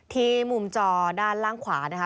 ที่มุมจอด้านล่างขวานะคะ